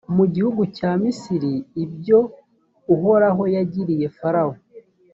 mu gihugu cya misiri, ibyo uhoraho yagiriye farawo,